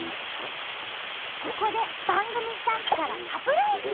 ここで番組スタッフからサプライズ！